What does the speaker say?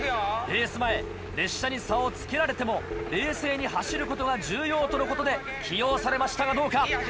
レース前列車に差をつけられても冷静に走ることが重要とのことで起用されましたがどうか？